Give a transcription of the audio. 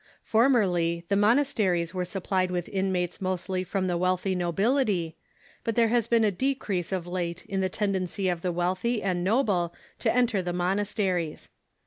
Formerly the monasteries were supplied with inmates mostly from the wealthy nobility, but there has been a decrease of late in the tendency of the wealthy and noble to enter the monasteries.